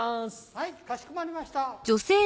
はいかしこまりました。